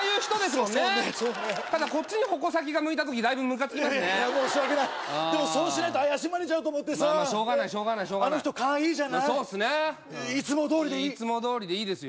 ただこっちに矛先が向いた時だいぶムカつきますねいや申し訳ないでもそうしないと怪しまれちゃうと思ってさまあまあしょうがないあの人勘いいじゃないそうっすねいつもどおりでいい？いつもどおりでいいですよ